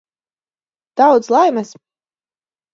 Daudz laimes!